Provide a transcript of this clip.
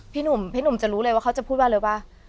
พี่หนุ่มจะรู้เลยว่าเขาจะพูดว่าเลยว่า